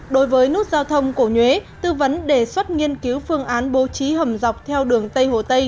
đối với nút giao thông cổ nhuế tư vấn đề xuất nghiên cứu phương án bố trí hầm dọc theo đường tây hồ tây